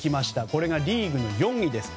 これがリーグ４位です。